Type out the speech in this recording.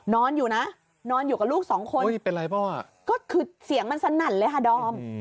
นอนอยู่นะนอนอยู่กับลูกสองคนอุ้ยเป็นไรเปล่าอ่ะก็คือเสียงมันสนั่นเลยค่ะดอม